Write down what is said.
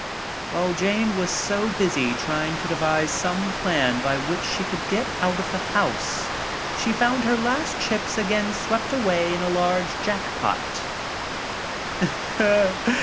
While Jane was so busy trying to devise some plan by which she could get out of the house, she found her last chips again swept away in a large jack pot.